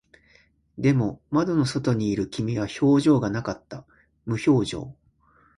でも、窓の外にいる君は表情がなかった。無表情。